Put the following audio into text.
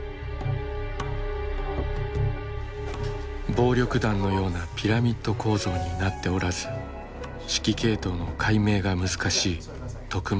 暴力団のようなピラミッド構造になっておらず指揮系統の解明が難しい匿名・流動型犯罪グループ。